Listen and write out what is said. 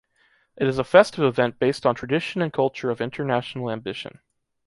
It is a festive event based on tradition and culture of international ambition.